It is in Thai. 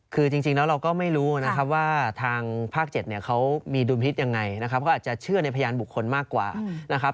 คือจริงแล้วเราก็ไม่รู้นะครับว่าทางภาค๗เนี่ยเขามีดุลพิษยังไงนะครับก็อาจจะเชื่อในพยานบุคคลมากกว่านะครับ